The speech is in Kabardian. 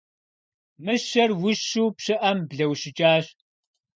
Мыщэр ущу пщыӏэм блэущыкӏащ.